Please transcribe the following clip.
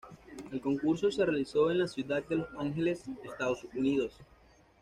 El concurso se realizó en la ciudad de Los Ángeles, Estados Unidos.